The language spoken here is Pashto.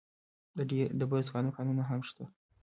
د ډبرو سکرو کانونه هم شته.